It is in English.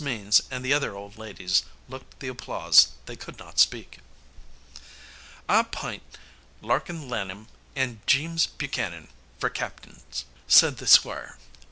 Means and the other old ladies looked the applause they could not speak. "I app'int Larkin Lanham and Jeems Buchanan fer captings," said the Squire.